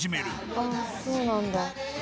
あっそうなんだ。